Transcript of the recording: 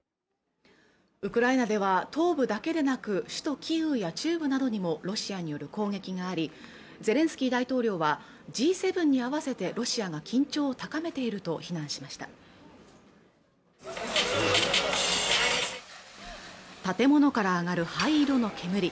ウクライナでは東部だけでなく首都キーウや中部などにもロシアによる攻撃がありゼレンスキー大統領はＧ７に合わせてロシアが緊張を高めていると非難しました建物から上がる灰色の煙